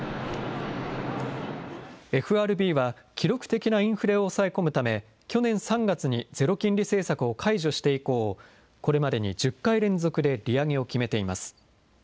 ＦＲＢは、記録的なインフレを抑え込むため、去年３月にゼロ金利政策を解除して以降、これまでに１０回連続で利上げを決めています。